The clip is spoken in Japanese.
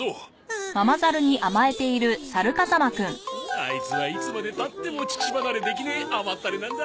アイツはいつまで経っても乳離れできねえ甘ったれなんだ。